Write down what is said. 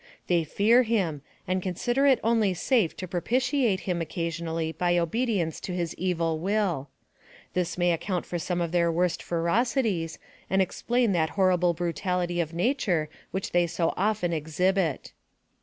They fear him, and consider it only safe to propitiate him occasionally by obedience to his evil will. This may account for some of their worst ferocities, and ex plain that horrible brutality of nature which they so often exhibit.